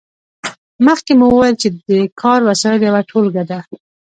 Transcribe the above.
مخکې مو وویل چې د کار وسایل یوه ټولګه ده.